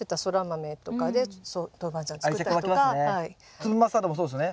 粒マスタードもそうですね？